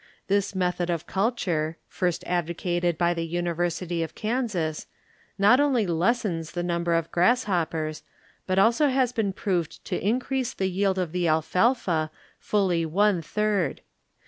This method of culture, first advocated by the University of Kansas, not only lessens the number of grass hoppers, but also has been proved to in crease the yield of the alfalfa fully one third.